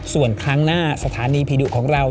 ทั้งหน้าสถานีพีดุของเรา